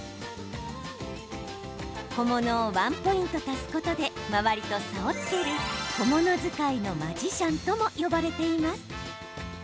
小物をワンポイント足すことで周りと差をつける小物使いのマジシャンとも呼ばれています。